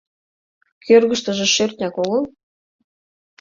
Кӧргыштыжӧ шӧртняк огыл?